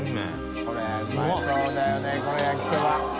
海うまそうだよねこれ焼きそば。